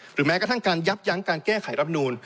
แม้กระทั่งการยับยั้งการแก้ไขรับนูล